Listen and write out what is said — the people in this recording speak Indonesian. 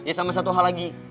ya sama satu hal lagi